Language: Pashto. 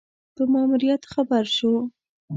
په ماموریت خبر شو.